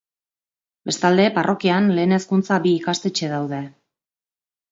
Bestalde, parrokian lehen hezkuntza bi ikastetxe daude.